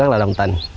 rất là đồng tình